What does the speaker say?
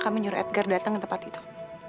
kami nyuruh edgar datang ke tempat itu